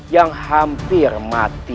yang hampir mati